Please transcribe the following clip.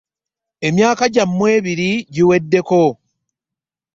Emyaka gyammwe ebiri giweddeko.